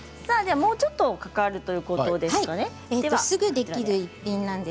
もうちょっとかかるということですので。